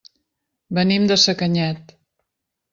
Venim de Sacanyet.